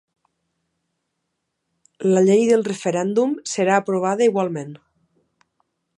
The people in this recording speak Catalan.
La llei del referèndum serà aprovada igualment